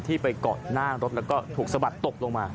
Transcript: ไปเกาะหน้ารถแล้วก็ถูกสะบัดตกลงมา